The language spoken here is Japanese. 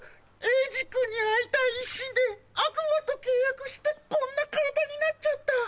いじ君に会いたい一心で悪魔と契約してこんな体になっちゃった。